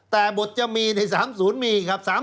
แต่บทจะมีใน๓๐มีครับ